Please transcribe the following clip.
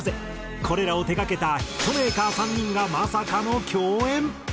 これらを手がけたヒットメーカー３人がまさかの共演。